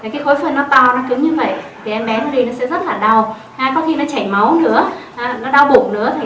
cái khối phân nó to nó cứng như vậy thì em bé nó đi nó sẽ rất là đau có khi nó chảy máu nữa nó đau bụng